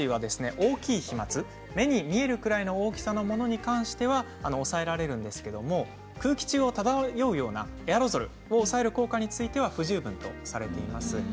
大きい飛まつ目に見えるぐらいの大きさのものに関しては抑えられるんですが空気中を漂うようなエアロゾルを抑える効果については不十分とされています。